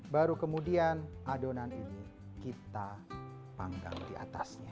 baru kemudian adonan ini kita panggang di atasnya